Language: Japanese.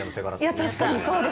確かに。